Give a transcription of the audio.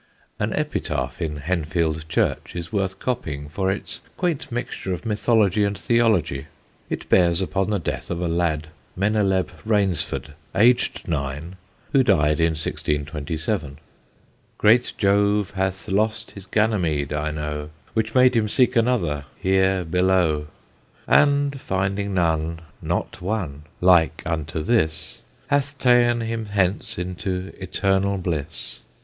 An epitaph in Henfield Church is worth copying for its quaint mixture of mythology and theology. It bears upon the death of a lad, Meneleb Raynsford, aged nine, who died in 1627: Great Jove hath lost his Gannymede, I know, Which made him seek another here below And finding none not one like unto this, Hath ta'en him hence into eternal bliss.